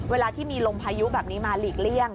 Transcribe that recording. เวลาที่มีลมพายุแบบนี้มาหลีกเลี่ยง